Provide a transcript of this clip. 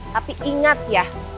tapi ingat ya